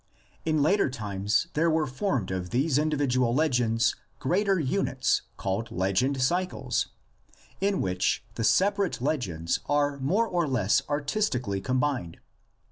In later times there were formed of these indi vidual legends greater units, called legend cycles, in which the separate legends are more or less artistically combined.